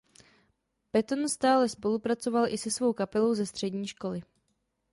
Patton stále spolupracoval i se svou kapelou ze střední školy.